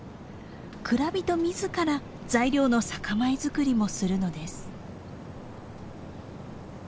蔵人自ら材料の酒米作りもするのです。